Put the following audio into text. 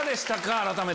改めて。